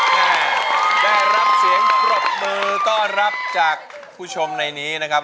แม่ได้รับเสียงปรบมือต้อนรับจากผู้ชมในนี้นะครับ